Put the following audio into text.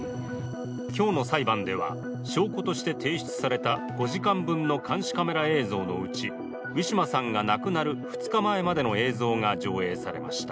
今日の裁判では、証拠として提出された５時間分の監視カメラ映像のうちウィシュマさんが亡くなる２日前までの映像が上映されました。